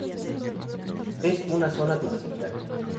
Es una zona turística.